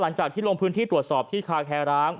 หลังจากที่ลงพื้นที่ตรวจสอบที่คาแคร้าง